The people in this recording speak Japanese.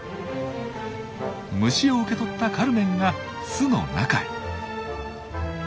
虫を受け取ったカルメンが巣の中へ。